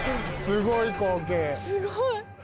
すごい！